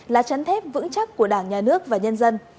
lá chắn thép vững chắc của đảng nhà nước và nhân dân